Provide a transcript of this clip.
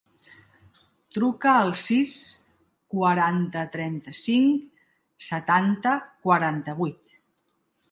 Truca al sis, quaranta, trenta-cinc, setanta, quaranta-vuit.